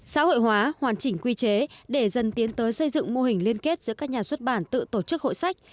xã hội hóa hoàn chỉnh quy chế để dần tiến tới xây dựng mô hình liên kết giữa các nhà xuất bản tự tổ chức hội sách